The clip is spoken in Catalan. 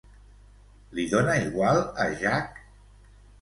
Li dona igual a Jack?